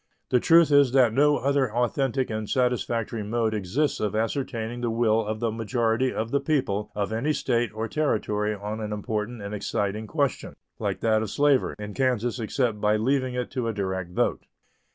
The truth is that no other authentic and satisfactory mode exists of ascertaining the will of a majority of the people of any State or Territory on an important and exciting question like that of slavery in Kansas except by leaving it to a direct vote.